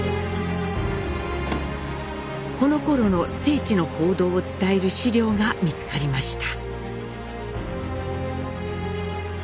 このころの正知の行動を伝える資料が見つかりました。